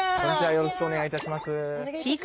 よろしくお願いします。